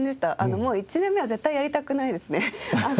もう１年目は絶対やりたくないですね。